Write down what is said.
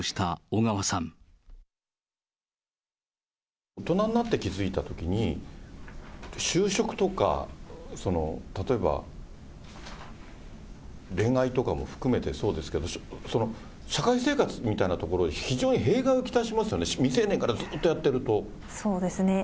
大人になって気付いたときに、就職とか、例えば恋愛とかも含めてそうですけれども、その社会生活みたいなところで非常に弊害を来しますよね、そうですね。